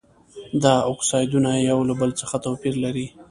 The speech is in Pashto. دا اکسایدونه یو له بل څخه توپیر لري.